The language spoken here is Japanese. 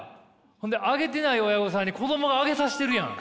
それで挙げてない親御さんに子供が挙げさせてるやん！